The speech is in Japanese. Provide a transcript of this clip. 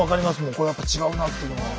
これはやっぱ違うなっていうのは。